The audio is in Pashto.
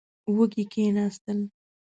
وږي کېناستل.